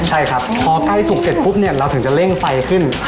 ใช่ครับพอใกล้สุกเสร็จปุ๊บเนี่ยเราถึงจะเร่งไฟขึ้น